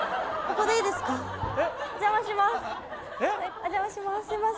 お邪魔します。